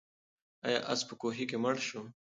آیا آس په کوهي کې مړ شو؟